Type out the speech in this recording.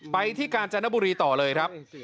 ไปที่กาญจนบุรีต่อเลยครับ